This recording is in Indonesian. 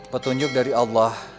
petunjuk dari allah